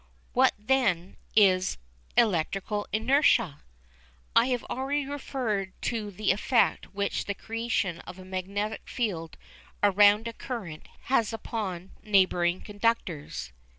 What, then, is "electrical inertia"? I have already referred to the effect which the creation of a magnetic field around a current has upon neighbouring conductors.